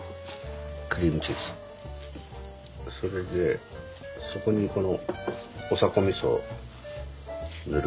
それでそこにこのオサコミソを塗る。